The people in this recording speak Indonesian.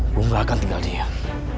gue gak akan tinggal diam